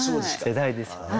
世代ですよね。